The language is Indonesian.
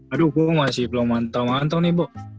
aduh gue masih belum mantel mantel nih bo